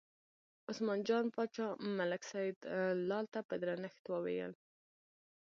عثمان جان باچا ملک سیدلال ته په درنښت وویل.